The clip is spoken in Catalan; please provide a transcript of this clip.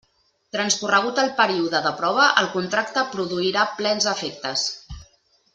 Transcorregut el període de prova, el contracte produirà plens efectes.